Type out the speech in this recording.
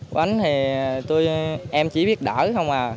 quánh thì em chỉ biết đỡ không à